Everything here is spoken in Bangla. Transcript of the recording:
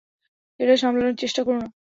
এটা সামলানোর চেষ্টা করো না।